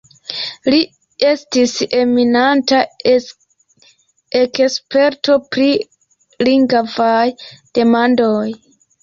Li estis eminenta eksperto pri lingvaj demandoj.